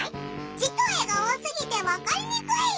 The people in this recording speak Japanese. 字と絵が多すぎてわかりにくいよ。